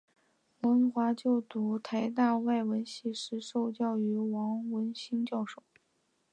王文华就读台大外文系时受教于王文兴教授。